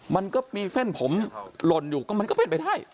มันก็มีเส้นผมหล่นอยู่ก็มันก็เป็นไปได้